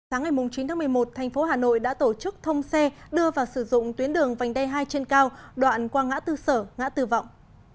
sáng ngày chín tháng một mươi một thành phố hà nội đã tổ chức thông xe đưa vào sử dụng tuyến đường vành đai hai trên cao đoạn qua ngã tư sở ngã tư vọng